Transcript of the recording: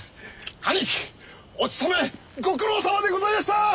兄貴おつとめご苦労さまでございやした！